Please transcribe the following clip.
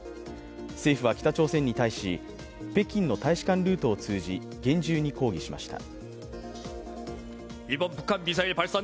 政府は北朝鮮に対し、北京の大使館ルートを通じ厳重に抗議しました。